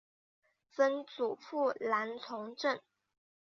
曾祖父兰从政。